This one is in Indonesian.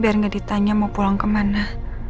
biar enggak ditanya mau pulang ke mana